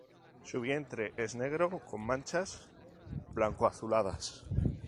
Su vientre es negro con manchas blanco-azuladas.